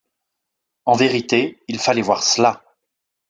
En vérité, il fallait voir cela!